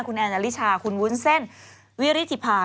คุณแอนนาฬิชาคุณวุ้นเส้นวิริธิภา